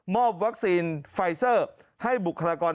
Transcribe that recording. อบวัคซีนไฟเซอร์ให้บุคลากร